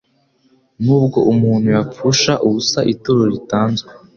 Nubwo umuntu yapfusha ubusa ituro ritanzwe,